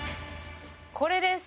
これです。